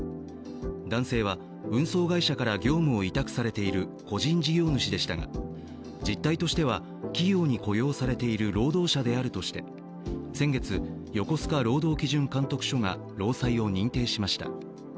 男性は運送会社から業務を委託されている個人事業主でしたが実態としては企業に雇用されている労働者であるとして、先月、横須賀労働基準監督署が労災を認定しました。